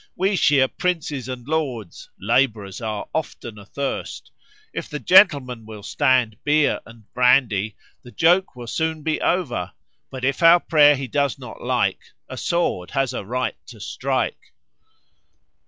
We shear princes and lords. Labourers are often athirst; If the gentleman will stand beer and brandy The joke will soon be over. But, if our prayer he does not like, The sword has a right to strike."